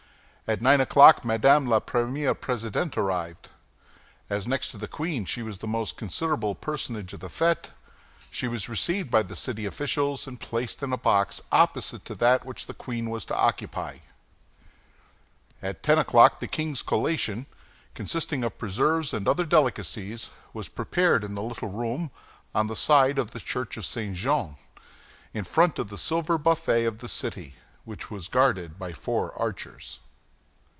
At nine o'clock Madame la Première Présidente arrived. As next to the queen, she was the most considerable personage of the fête, she was received by the city officials, and placed in a box opposite to that which the queen was to occupy. At ten o'clock, the king's collation, consisting of preserves and other delicacies, was prepared in the little room on the side of the church of St. Jean, in front of the silver buffet of the city, which was guarded by four archers.